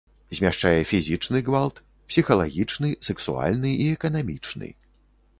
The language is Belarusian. Змяшчае фізічны гвалт, псіхалагічны, сэксуальны і эканамічны.